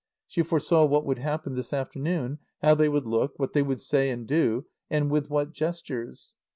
She foresaw what would happen this afternoon, how they would look, what they would say and do, and with what gestures.